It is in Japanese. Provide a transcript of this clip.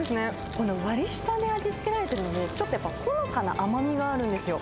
この割り下で味付けられてるので、ちょっとやっぱりほのかな甘みがあるんですよ。